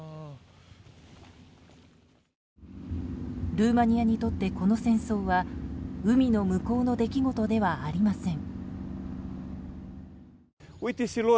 ルーマニアにとってこの戦争は海の向こうの出来事ではありません。